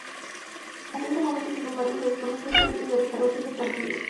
Hasta ese momento, sin embargo, se desconocían proyectos de reestructuración del partido.